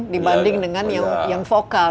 dibanding dengan yang vokal